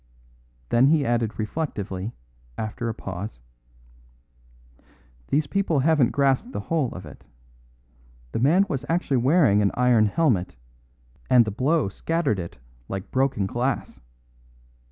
Then he added reflectively, after a pause: "These people haven't grasped the whole of it. The man was actually wearing an iron helmet, and the blow scattered it like broken glass.